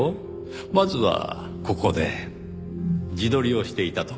まずはここで自撮りをしていた時。